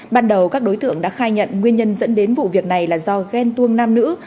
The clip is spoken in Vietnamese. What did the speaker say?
ban đầu các đối tượng đã khai nhận nguyên nhân dẫn đến vụ việc này là do ghen tuông nam nữ